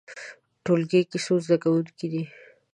ټولګی کې څو زده کوونکي دي؟